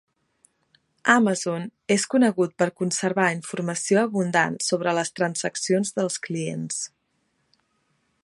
Amazon és conegut per conservar informació abundant sobre les transaccions dels clients.